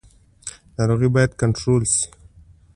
ناروغي باید کنټرول شي